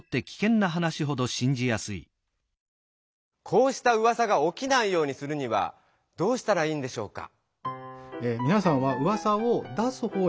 こうしたうわさがおきないようにするにはどうしたらいいんでしょうか？